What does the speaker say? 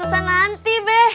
harus tersana nanti be